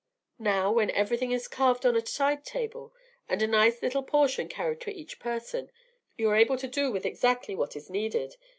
Now, when everything is carved on a side table and a nice little portion carried to each person, you are able to do with exactly what is needed.